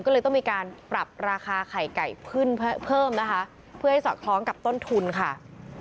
ก็เลยต้องมีการปรับราคาไข่ไก่ขึ้นเพิ่มนะคะเพื่อให้สอดคล้องกับต้นทุนค่ะ